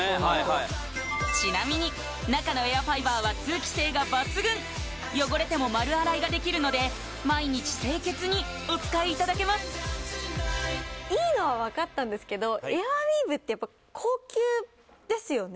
ちなみに中のエアファイバーは通気性が抜群汚れても丸洗いができるので毎日清潔にお使いいただけますいいのは分かったんですけどエアウィーヴってやっぱ高級ですよね・